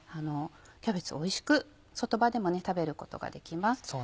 キャベツはおいしく外葉でも食べることができます。